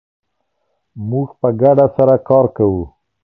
موږ په ګډه سره کار کوو.